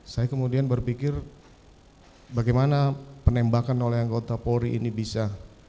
saya kemudian berpikir bagaimana penembakan oleh anggota polri ini bisa